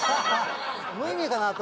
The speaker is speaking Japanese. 無意味かなと。